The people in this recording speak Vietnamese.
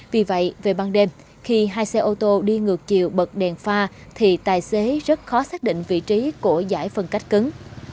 vì vậy về ban đêm khi hai xe ô tô đi ngược chiều bật đèn pha thì tài xế rất khó xác định vị trí của giải phân cách cứng